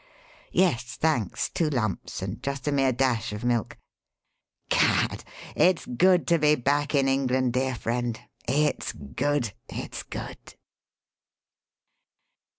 Yes, thanks, two lumps, and just a mere dash of milk. Gad! It's good to be back in England, dear friend; it's good, it's good!"